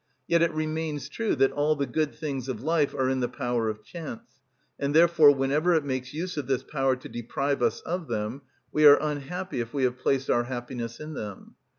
Yet it remains true that all the good things of life are in the power of chance, and therefore whenever it makes use of this power to deprive us of them, we are unhappy if we have placed our happiness in them.